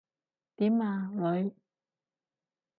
點呀，女？